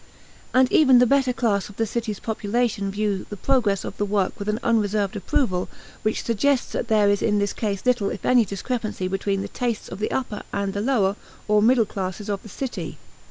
And even the better class of the city's population view the progress of the work with an unreserved approval which suggests that there is in this case little if any discrepancy between the tastes of the upper and the lower or middle classes of the city.